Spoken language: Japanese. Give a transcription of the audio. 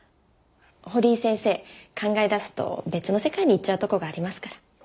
堀井先生考え出すと別の世界に行っちゃうとこがありますから。